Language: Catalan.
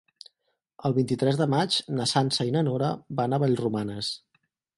El vint-i-tres de maig na Sança i na Nora van a Vallromanes.